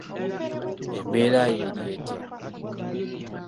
Embeera yo eri etya?